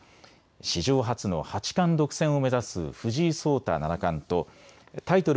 史上初の八冠独占を目指す藤井聡太七冠とタイトル